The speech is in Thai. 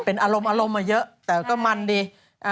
เป็นอารมณ์มาเยอะแต่ก็มันดี